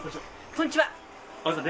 こんにちは。